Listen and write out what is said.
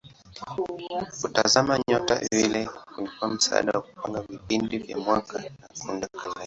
Kutazama nyota vile kulikuwa msaada wa kupanga vipindi vya mwaka na kuunda kalenda.